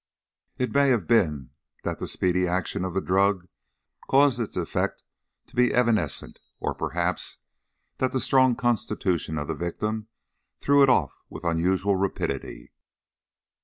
It may have been that the speedy action of the drug caused its effect to be evanescent, or, perhaps, that the strong constitution of the victim threw it off with unusual rapidity.